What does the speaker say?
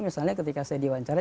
misalnya ketika saya diwawancara